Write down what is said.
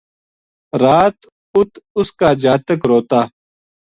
رات اُت اس کا جاتک روتا